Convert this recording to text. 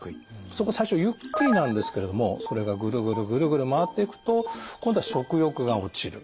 そこ最初ゆっくりなんですけれどもそれがぐるぐるぐるぐる回っていくと今度は食欲が落ちる。